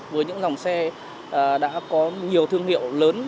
với những dòng xe đã có nhiều thương hiệu lớn